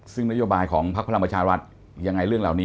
ซึ่งนโยบายของพักพลังประชารัฐยังไงเรื่องเหล่านี้